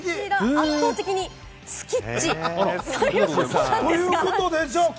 圧倒的にスキッチということです。